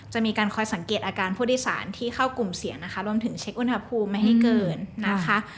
จะมีการคอยสังเกตอาการผู้โดยสารที่เข้ากลุ่มเสี่ยงนะคะรวมถึงเช็คอุณหภูมิไม่ให้เกินนะคะ